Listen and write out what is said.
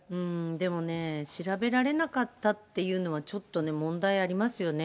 でもね、調べられなかったっていうのは、ちょっとね、問題ありますよね。